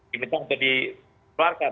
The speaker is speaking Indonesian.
diminta untuk dikeluarkan